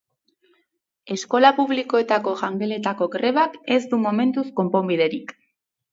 Eskola publikoetako jangeletako grebak ez du momentuz konponbiderik.